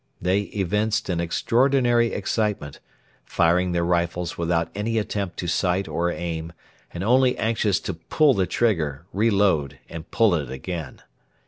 They evinced an extraordinary excitement firing their rifles without any attempt to sight or aim, and only anxious to pull the trigger, re load, and pull it again.